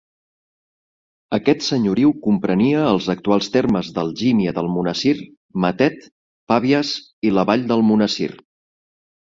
Aquest senyoriu comprenia els actuals termes d'Algímia d'Almonesir, Matet, Pavies i La Vall d'Almonesir.